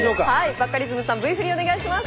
バカリズムさんＶ振りお願いします。